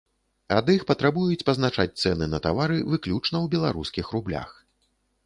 Ад іх патрабуюць пазначаць цэны на тавары выключна ў беларускіх рублях.